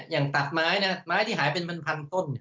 อย่างตัดไม้ไม้ที่หายเป็นบรรพันธุ์ต้น